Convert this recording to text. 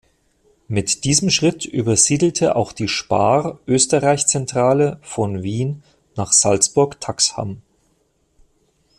Mit diesem Schritt übersiedelte auch die Spar Österreich-Zentrale von Wien nach Salzburg-Taxham.